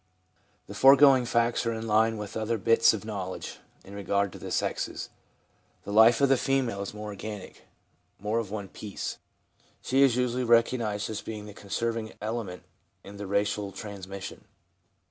The foregoing facts are in line with other bits of knowledge in regard to the sexes. The life of the female is more organic, more of one piece. She is 9 6 THE PSYCHOLOGY OF RELIGION usually recognised as being the conserving element in racial transmission.